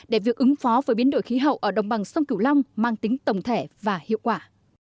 để việc ứng phó với biến đổi khí hậu ở đồng bằng sông cửu long mang tính tổng thể và hiệu quả